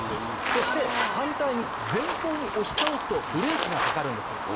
そして反対に前方に押し倒すとブレーキがかかるんです。